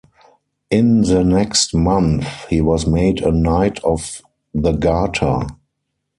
In the next month, he was made a Knight of the Garter.